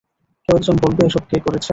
কেউ একজন বলবে এসব কে করেছে?